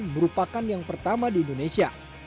merupakan yang pertama di indonesia